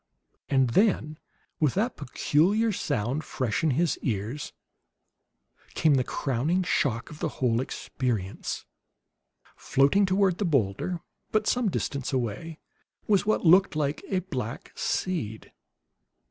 And then, with that peculiar sound fresh in his ears, came the crowning shock of the whole experience. Floating toward the boulder, but some distance away, was what looked like a black seed.